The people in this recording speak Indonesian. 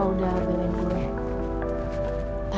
mending kurang kurangin nih